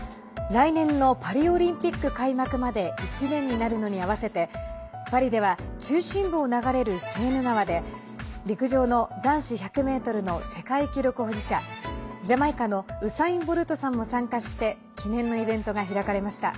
来年のパリオリンピック開幕まで１年になるのに合わせてパリでは中心部を流れるセーヌ川で陸上の男子１００ｍの世界記録保持者、ジャマイカのウサイン・ボルトさんも参加して記念のイベントが開かれました。